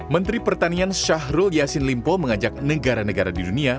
menteri pertanian syahrul yassin limpo mengajak negara negara di dunia